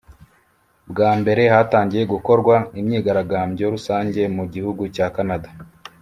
Bwa mbere hatangiye gukorwa imyigaragambyo rusange mu gihugu cya Canada